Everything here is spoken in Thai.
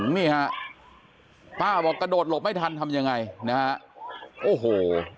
นี่ฮะป้าบอกกระโดดหลบไม่ทันทำยังไงนะฮะโอ้โห